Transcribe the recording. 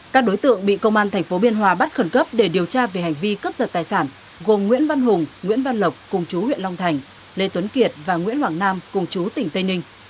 các đối tượng bị công an tp biên hòa bắt khẩn cấp để điều tra về hành vi cướp giật tài sản gồm nguyễn văn hùng nguyễn văn lộc cùng chú huyện long thành lê tuấn kiệt và nguyễn hoàng nam cùng chú tỉnh tây ninh